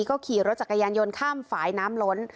ก็ขี่รถจักรยานยนต์ข้ามฝ่ายน้ำล้น